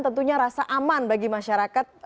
tentunya rasa aman bagi masyarakat